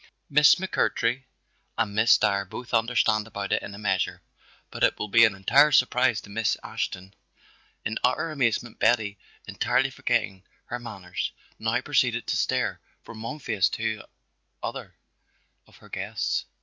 "Miss McMurtry and Miss Dyer both understand about it in a measure, but it will be an entire surprise to Miss Ashton." In utter amazement Betty, entirely forgetting her manners, now proceeded to stare from one face to the other of her guests.